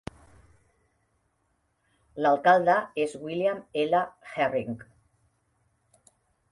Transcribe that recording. L'alcalde és William L. Herring.